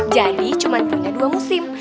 jadi cuma punya dua musim